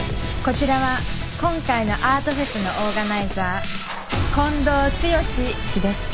こちらは今回のアートフェスのオーガナイザー近藤剛氏です。